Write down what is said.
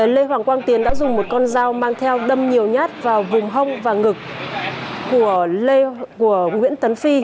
lê hoàng quang tiến đã dùng một con dao mang theo đâm nhiều nhát vào vùng hông và ngực của nguyễn tấn phi